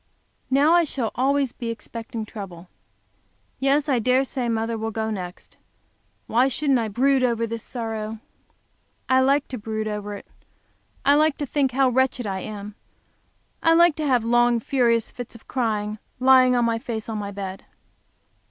Now I shall always be expecting trouble. Yes, I dare say mother will go next. Why shouldn't I brood over this sorrow? I like to brood over it; I like to think how wretched I am; I like to have long, furious fits of crying, lying on my face on the bed.